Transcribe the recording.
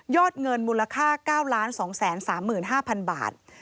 เงินมูลค่า๙๒๓๕๐๐๐บาท